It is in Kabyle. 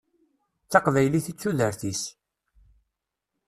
D taqbaylit i d tudert-is.